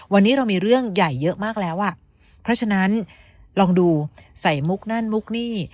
วันนี้เรามีเรื่องใหญ่เยอะมากแล้วอ่ะเพราะฉะนั้นลองดูใส่มุกนั่นมุกนี่